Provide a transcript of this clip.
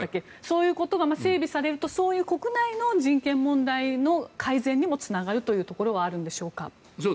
こういうことが整備されると国内の人権問題の改善にもつながるというところはあるんでしょうか。